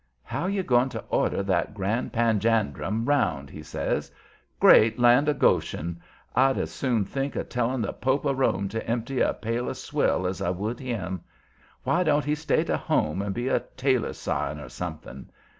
"How you goin' to order that Grand Panjandrum around?" he says. "Great land of Goshen! I'd as soon think of telling the Pope of Rome to empty a pail of swill as I would him. Why don't he stay to home and be a tailor's sign or something?